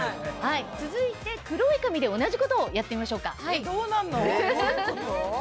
続いて黒い紙で同じことをやってみましょうか。